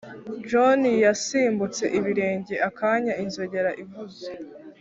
john yasimbutse ibirenge akanya inzogera ivuze.